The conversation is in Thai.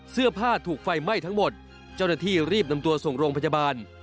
เสื้อผ้าถูกไฟไหม้ทั้งหมดเจ้าหน้าที่รีบนำตัวส่งโรงพยาบาล